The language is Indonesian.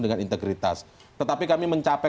dengan integritas tetapi kami mencapai